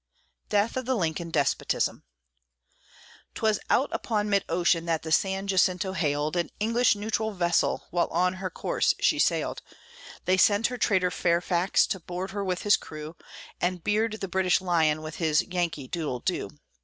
DEATH OF THE LINCOLN DESPOTISM 'Twas out upon mid ocean that the San Jacinto hailed An English neutral vessel, while on her course she sailed; They sent her traitor Fairfax, to board her with his crew, And beard the "British lion" with his "Yankee doodle doo."